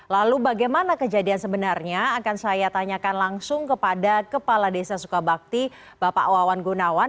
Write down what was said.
lalu bagaimana kejadian sebenarnya akan saya tanyakan langsung kepada kepala desa sukabakti bapak wawan gunawan